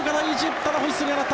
ただホイッスルが鳴った。